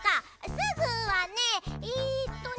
「すぐ」はねえっとね。